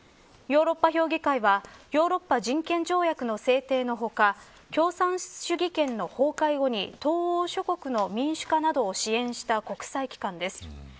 ヨーロッパ評議会はヨーロッパ人権条約の制定の他共産主義圏の崩壊後に東欧諸国の民主化などを支援した国際機関です。